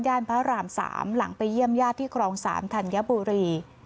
ย่านพระรามสามหลังไปเยี่ยมย่าที่ครองสามธัญบุรี